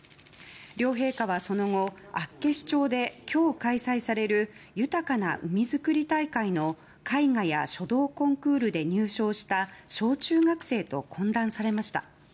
両陛下はその後厚岸町で今日開催される豊かな海づくり大会の絵画や書道コンクールで入賞した小中学生と懇談されました。